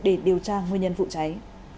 để điều tra nguyên nhân vụ cháy